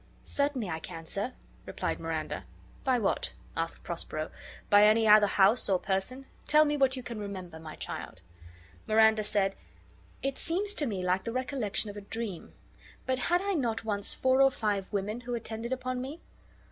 "Certainly I can, sir," replied Miranda. "By what?" asked Prospero; "by any other house or person? Tell me what you can remember, my child." Miranda said: "It seems to me like the recollection of a dream. But had I not once four or five women who attended upon me?"